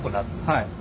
はい。